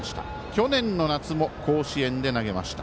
去年の夏も甲子園で投げました。